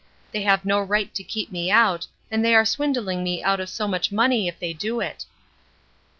They have no right to keep me out, and they are swindling me out of so much money if they do it."